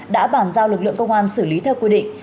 đã bàn giao lực lượng công an xử lý theo quy định